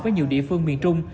với nhiều địa phương miền trung